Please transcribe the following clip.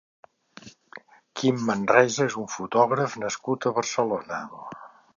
Kim Manresa és un fotògraf nascut a Barcelona.